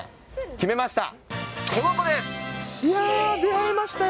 決めました。